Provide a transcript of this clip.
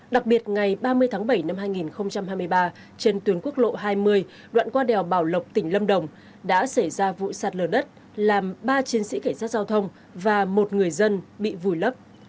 đặc biệt ngày ba mươi tháng bảy năm hai nghìn hai mươi ba trên tuyến quốc lộ hai mươi đoạn qua đèo bảo lộc tỉnh lâm đồng đã xảy ra vụ sạt lở đất làm ba chiến sĩ cảnh sát giao thông và một người dân bị vùi lấp